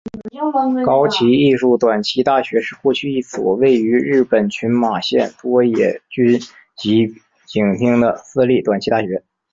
高崎艺术短期大学是过去一所位于日本群马县多野郡吉井町的私立短期大学。